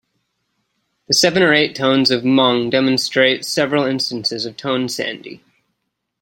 The seven or eight tones of Hmong demonstrate several instances of tone sandhi.